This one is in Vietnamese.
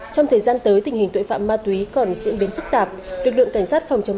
trong thời gian tới tình hình tội phạm ma túy còn diễn biến phức tạp lực lượng cảnh sát phòng chống